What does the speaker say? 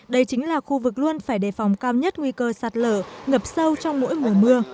đây chính là khu vực luôn phải đề phòng cao nhất nguy cơ sạt lở ngập sâu trong mỗi mùa mưa